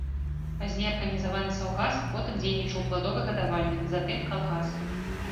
Пазней арганізаваны саўгас, потым дзейнічаў пладовы гадавальнік, затым калгас.